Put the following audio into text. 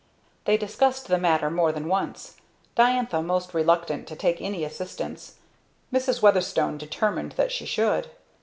They discussed the matter more than once, Diantha most reluctant to take any assistance; Mrs. Weatherstone determined that she should.